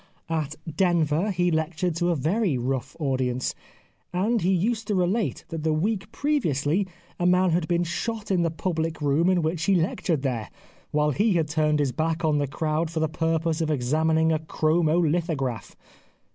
At Denver he lectured to a very rough audience, and he used to relate that the week previously a man had been shot in the public room in which he lectured there, while he had turned his back on the crowd for the purpose of examining a chromo lithograph.